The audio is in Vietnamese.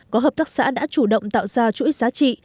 có hợp tác xã đã chủ động tạo ra chuỗi giá trị